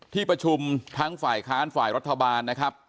ที่ประชุมทั้งฝ่ายค้านฝ่ายรัฐบาลนะครับ